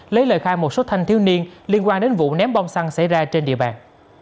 lấy lời khai một số thanh thiếu niên liên quan đến vụ ném bom xăng xảy ra trên địa bàn